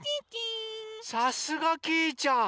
さすがきいちゃん！